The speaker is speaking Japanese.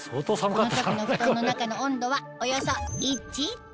この時の布団の中の温度はおよそ１℃